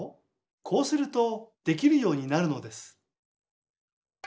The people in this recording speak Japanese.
こうするとできるようになるのです。